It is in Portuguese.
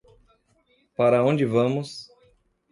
Para onde vamos